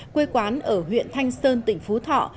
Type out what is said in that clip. quê quán ở huyện thanh sơn tỉnh phú thọ